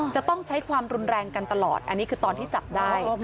จะต้องใช้ความรุนแรงกันตลอดอันนี้คือตอนที่จับได้